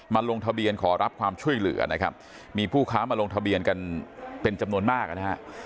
ลงทะเบียนขอรับความช่วยเหลือนะครับมีผู้ค้ามาลงทะเบียนกันเป็นจำนวนมากนะฮะ